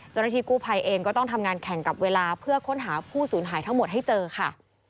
เจ้าหน้าที่กู้ภัยเองก็ต้องทำงานแข่งกับเวลาเพื่อค้นหาผู้สูญหายทั้งหมดให้เจอค่ะ